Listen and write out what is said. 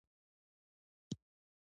د پیوند کولو له لارې د میوو نسل ښه کیږي.